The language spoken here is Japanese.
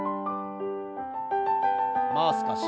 もう少し。